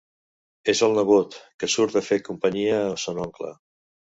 És el nebot, que surt de fer companyia a son oncle.